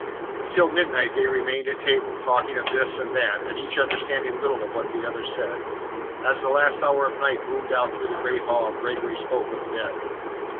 Until midnight they remained at table, talking of this and that, and each understanding little of what the other said. As the last hour of night boomed out through the great hall, Gregory spoke of bed.